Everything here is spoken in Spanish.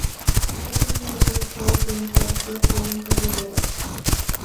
Cuatro niños son echados de un parque por un par de borrachos.